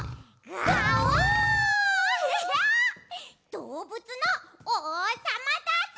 どうぶつのおうさまだぞ！